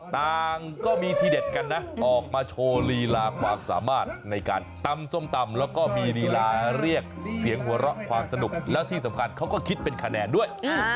ต่างก็มีทีเด็ดกันนะออกมาโชว์ลีลาความสามารถในการตำส้มตำแล้วก็มีลีลาเรียกเสียงหัวเราะความสนุกแล้วที่สำคัญเขาก็คิดเป็นคะแนนด้วย